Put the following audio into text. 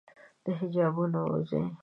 د حجابونو ووزي